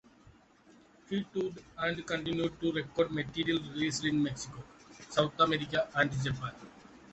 He toured and continued to record material released in Mexico, South America, and Japan.